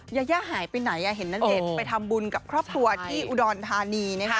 ยาย่าหายไปไหนเห็นณเดชน์ไปทำบุญกับครอบครัวที่อุดรธานี